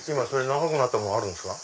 長くなったものあるんですか？